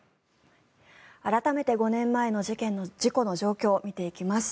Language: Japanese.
改めて５年前の事故の状況を見ていきます。